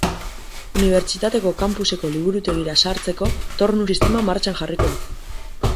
Unibertistateko campuseko Liburutegira sartzeko tornu sistema martxan jarriko da.